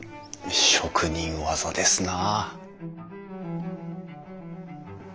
職人技ですな。